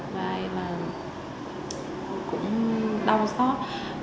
và cũng đau xót